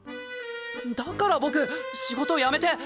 だから僕仕事辞めて！